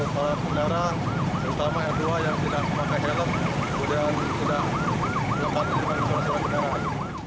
sudah melakukan perlengkapan surat surat kendaraan